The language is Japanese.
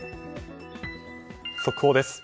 速報です。